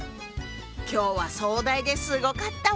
今日は壮大ですごかったわね。